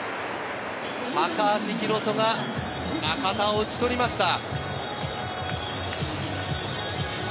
高橋宏斗が中田を打ち取りました。